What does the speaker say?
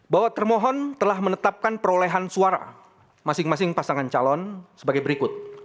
bahwa termohon telah menetapkan perolehan suara masing masing pasangan calon sebagai berikut